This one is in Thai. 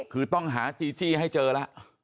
คือต้องหาจีจี้ให้เจอแล้ว